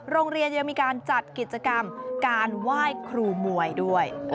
โรงเรียนยังมีการจัดกิจกรรมการไหว้ครูมวยด้วย